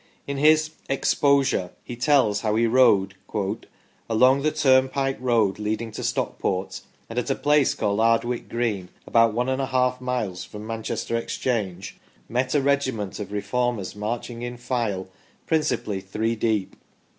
In his " Exposure " he tells how he rode " along the turnpike road leading to Stockport, and at a place called Ardwick Green, about one and a half miles from Manchester Exchange " met a regiment of Reformers marching in file, principally three deep.